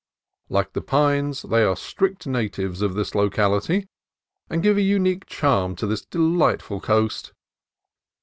Like the pines, they are strict natives of this locality, and give a unique charm to this delightful coast.